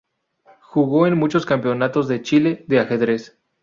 Jugó en muchos Campeonato de Chile de ajedrez.